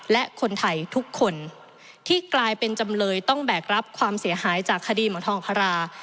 และคนไทยทุกคนที่กลายเป็นจำเลยต้องแบกรับความเสียหายจากคดีหมอทองคารา